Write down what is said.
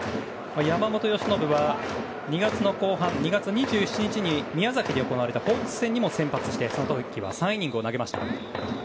山本由伸は２月２７日に宮崎で行われたホークス戦にも先発してその時は３イニングを投げました。